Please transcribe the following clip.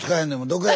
「どこや？」